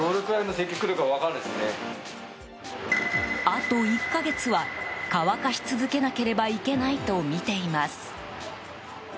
あと１か月は乾かし続けなければいけないとみています。